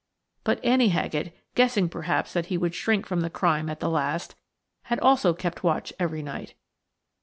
But Annie Haggett, guessing perhaps that he would shrink from the crime at the last, had also kept watch every night.